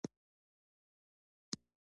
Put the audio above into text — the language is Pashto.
خلج او خُلُّخ تقریبا یو شان لیکل کیږي.